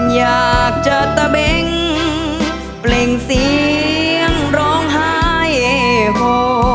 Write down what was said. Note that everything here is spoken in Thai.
อยากจะตะเบงเปล่งเสียงร้องไห้โฮ